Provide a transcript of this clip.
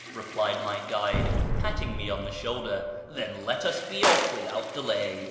" replied my guide, patting me on the shoulder ;" then let us be off without delay."